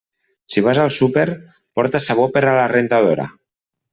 Si vas al súper, porta sabó per a la rentadora.